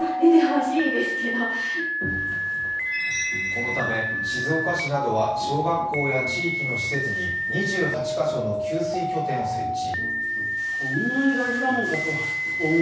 このため静岡市などは小学校や地域の施設に２８か所の給水拠点を設置。